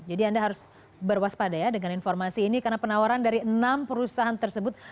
jadi anda harus berwaspada ya dengan informasi ini karena penawaran dari enam perusahaan tersebut